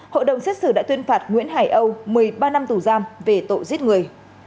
hội đồng xét xử đã tuyên phạt nguyễn hải âu một mươi ba năm tù giam về tội giết người